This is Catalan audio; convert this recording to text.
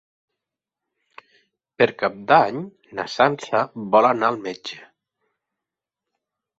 Per Cap d'Any na Sança vol anar al metge.